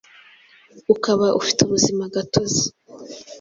ukaba ufite ubuzima gatozi .